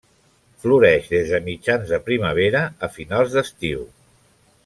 Floreix des de mitjans de primavera a finals d'estiu.